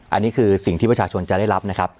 อันนี้คือสิ่งที่ประชาชนจะได้รับนะครับ